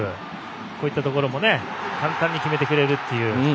こういったところも簡単に決めてくれるという。